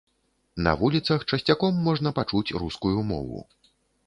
На вуліцах часцяком можна пачуць рускую мову.